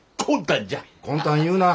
魂胆言うな。